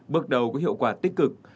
bước đầu có hiệu quả tích cực